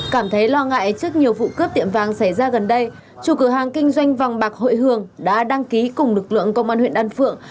cảm thấy lo ngại trước nhiều vụ cướp tiệm vàng xảy ra gần đây chủ cửa hàng kinh doanh vàng bạc hội hường đã đăng ký cùng lực lượng công an huyện đan phượng